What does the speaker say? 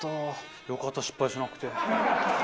よかった失敗しなくて。